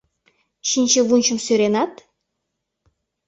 Чинче-вунчым сӧренат?